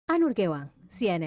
anur gewang cnn indonesia